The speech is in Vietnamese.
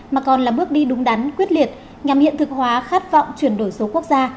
mà còn là bước đi đúng đắn quyết liệt nhằm hiện thực hóa khát vọng chuyển đổi số quốc gia